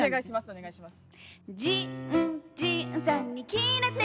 お願いします。